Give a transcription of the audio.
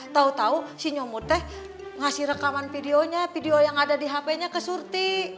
tau tau si nyomud teh ngasih rekaman videonya video yang ada di hp nya ke surti